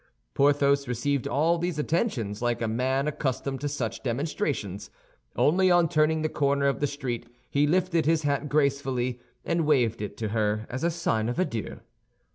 Porthos received all these attentions like a man accustomed to such demonstrations, only on turning the corner of the street he lifted his hat gracefully, and waved it to her as a sign of adieu.